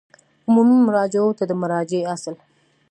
عمومي مراجعو ته د مراجعې اصل